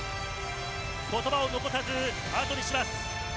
言葉を残さず、あとにします。